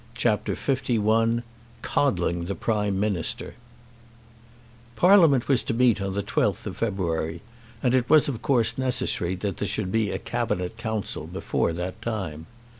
CHAPTER LI Coddling the Prime Minister Parliament was to meet on the 12th of February, and it was of course necessary that there should be a Cabinet Council before that time.